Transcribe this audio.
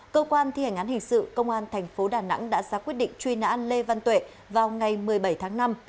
cơ quan thi hành án hình sự công an tp đà nẵng đã xác quyết định truy nã lê văn tuệ vào ngày một mươi bảy tháng năm